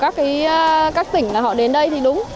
cái hàng của các tỉnh là họ đến đây thì đúng